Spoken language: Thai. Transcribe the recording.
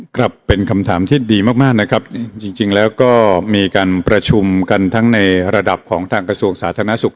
ครับเป็นคำถามที่ดีมากมากนะครับจริงแล้วก็มีการประชุมกันทั้งในระดับของทางกระทรวงสาธารณสุข